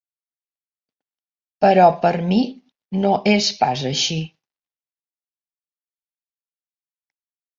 Però per mi no és pas així.